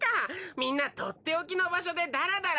みんなとっておきの場所でダラダラ。